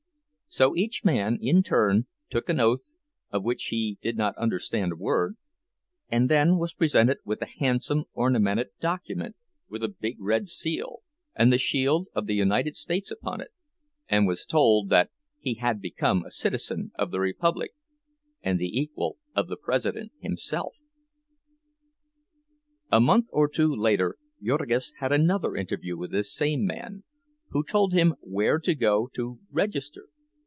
So each man in turn took an oath of which he did not understand a word, and then was presented with a handsome ornamented document with a big red seal and the shield of the United States upon it, and was told that he had become a citizen of the Republic and the equal of the President himself. A month or two later Jurgis had another interview with this same man, who told him where to go to "register."